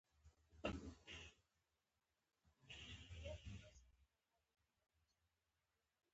منډه د ذهن تمرین هم دی